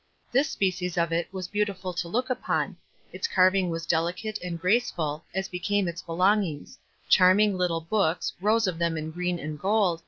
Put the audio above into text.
This species of it was beautiful to look upon; its carving was delicate ftnd graceful, as became its belongings — charm ing little books, rows of them in green and gold, » 4 WISE AND OTHERWISE.